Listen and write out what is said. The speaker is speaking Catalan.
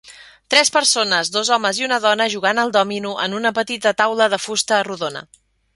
Tres persones, dos homes i una dona jugant al dòmino en una petita taula de fusta rodona.